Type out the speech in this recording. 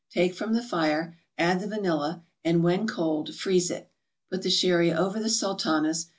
Take from the fire, add the vanilla, and, when cold, freeze it. Put the sherry over the Sultanas.